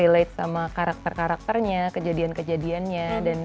relate sama karakter karakternya kejadian kejadiannya